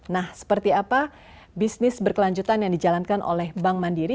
nah seperti apa bisnis berkelanjutan yang dijalankan oleh bank mandiri